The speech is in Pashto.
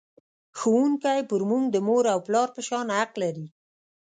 ښوونکی پر موږ د مور او پلار په شان حق لري.